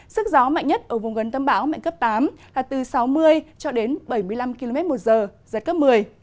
sức gió mạnh nhất ở vùng gần tâm bão mạnh cấp tám là từ sáu mươi cho đến bảy mươi năm km một giờ giật cấp một mươi